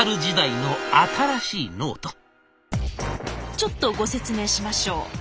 ちょっとご説明しましょう。